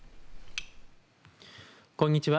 こんにちは。